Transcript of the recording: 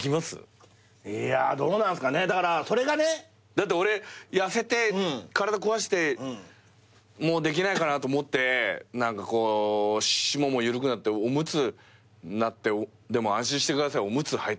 だって俺痩せて体壊してもうできないかなと思って下も緩くなっておむつになって「でも安心してくださいおむつはいてますよ」